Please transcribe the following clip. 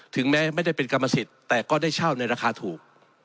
ถึงแม้ไม่ได้เป็นกรรมสิทธิ์แต่ก็ได้เช่าในราคาถูก